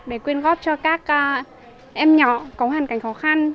để quyên góp cho các em nhỏ có hoàn cảnh khó khăn